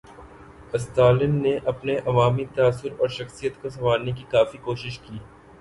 استالن نے اپنے عوامی تاثر اور شخصیت کو سنوارنے کی کافی کوشش کی۔